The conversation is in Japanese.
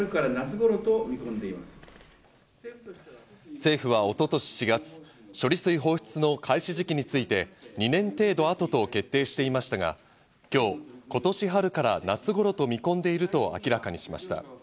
政府は一昨年４月、処理水放出の開始時期について２年程度あとと決定していましたが、今日、今年春から夏頃と見込んでいると明らかにしました。